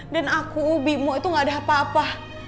dan aku bimbo itu gak ada apa apa